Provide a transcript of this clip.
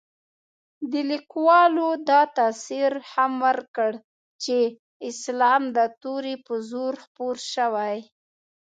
دې لیکوالو دا تاثر هم ورکړ چې اسلام د تورې په زور خپور شوی.